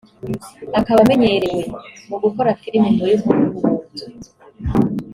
akaba amenyerewe mu gukora filimi muri Hollwood